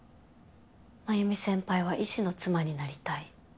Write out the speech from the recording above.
繭美先輩は医師の妻になりたい。